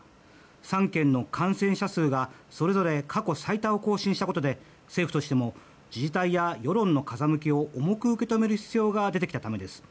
３県の感染者数がそれぞれ過去最多を更新したことで政府としても自治体や世論の風向きを重く受け止める必要が出てきたためです。